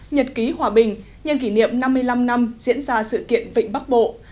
nhật ký hòa bình nhân kỷ niệm năm mươi năm năm diễn ra sự kiện vịnh bắc bộ